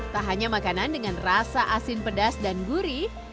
tak hanya makanan dengan rasa asin pedas dan gurih